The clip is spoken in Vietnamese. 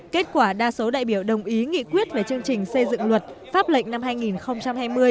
kết quả đa số đại biểu đồng ý nghị quyết về chương trình xây dựng luật pháp lệnh năm hai nghìn hai mươi